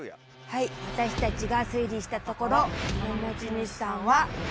はい私たちが推理したところこの持ち主さんは。